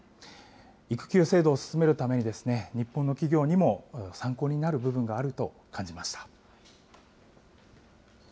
育休制度を進めるために日本の企業にも参考になる部分があると感じました。